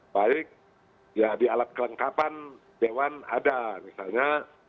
baik ya di alat kelengkapan dewan ada misalnya